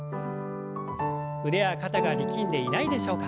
腕や肩が力んでいないでしょうか？